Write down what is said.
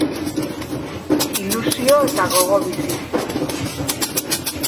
Ilusio eta gogo biziz.